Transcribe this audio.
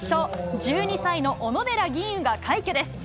１２歳の小野寺吟雲が快挙です。